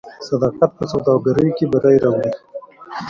صداقت په سوداګرۍ کې بری راوړي.